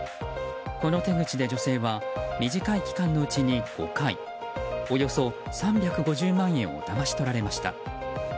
この手口で女性は短い期間のうちに５回およそ３５０万円をだまし取られました。